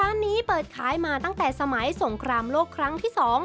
ร้านนี้เปิดขายมาตั้งแต่สมัยสงครามโลกครั้งที่๒